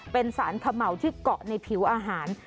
เป็นสารเขม่าที่เกาะในผิวอาหาร